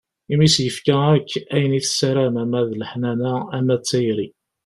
Imi i s-yefka akk ayen i tessaram ama d leḥnana, ama d tayri.